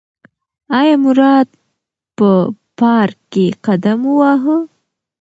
ایا مراد په پار ک کې قدم وواهه؟